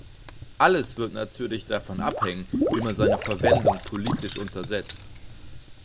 Alles wird natürlich davon abhängen, wie man seine Verwendung politisch untersetzt.